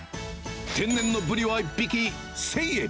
天然のブリは１匹１０００円。